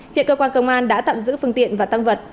hiện cơ quan công an đã tạm giữ phương tiện và tăng vật